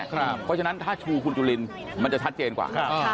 เพราะฉะนั้นถ้าชูคุณจุลินมันจะชัดเจนกว่า